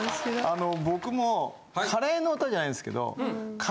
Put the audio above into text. あの僕もカレーの歌じゃないんですけど。